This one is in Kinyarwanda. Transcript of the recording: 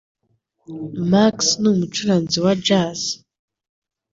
Max numucuranzi wa jazz,